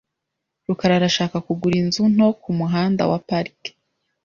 rukara arashaka kugura inzu nto kumuhanda wa Park .